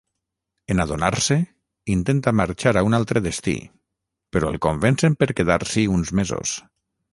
En adonar-se, intenta marxar a un altre destí però el convencen per quedar-s'hi uns mesos.